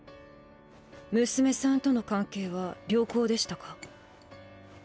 娘さんとの関係は良好でしたか？